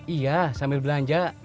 iya sambil belanja